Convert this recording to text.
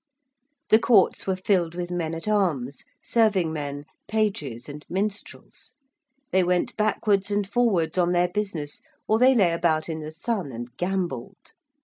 The courts were filled with men at arms, serving men, pages, and minstrels. They went backwards and forwards on their business or they lay about in the sun and gambled.